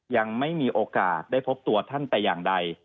ยังไม่มีโอกาสได้พบตัวท่านแต่อย่างใด